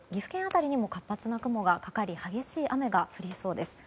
その他、近畿や北陸岐阜県辺りにも活発な雲がかかり激しい雨が降りそうです。